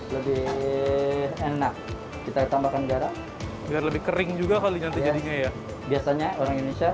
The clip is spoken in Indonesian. lebih enak kita tambahkan garam biar lebih kering juga kali nanti jadinya ya biasanya orang indonesia